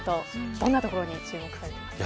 どんなところに注目されてますか。